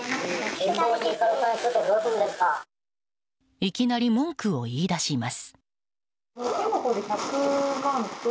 いきなり文句を言い出します。